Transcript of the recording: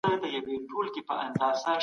موږ خپل توکي په بازار کي نه پلورل.